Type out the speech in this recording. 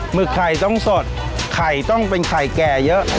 หึกไข่ต้องสดไข่ต้องเป็นไข่แก่เยอะ